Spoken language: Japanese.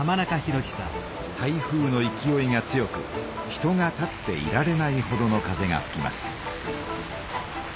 台風のいきおいが強く人が立っていられないほどの風がふきます。